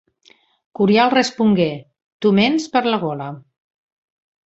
Curial respongué: Tu ments per la gola.